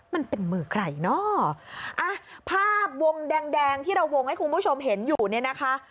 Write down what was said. มันเป็นมือใครเนอะอ่ะภาพวงแดงแดงที่เราวงให้คุณผู้ชมเห็นอยู่เนี่ยนะคะ